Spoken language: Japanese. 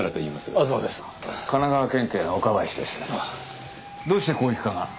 あぁどうして広域課が？